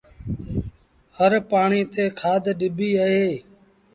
هر پآڻيٚ تي کآڌ ڏبيٚ اهي